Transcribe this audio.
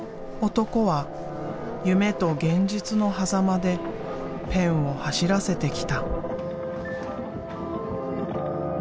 男は夢と現実のはざまでペンを走らせてきた。